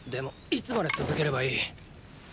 いつまで続ければいい⁉